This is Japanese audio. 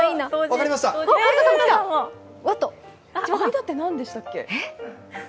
間って何でしたっけ？